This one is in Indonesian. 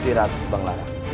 bersama gusi ratu sibanglarang